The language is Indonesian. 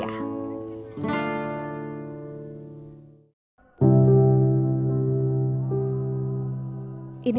bagaimana cara menangkap penumpang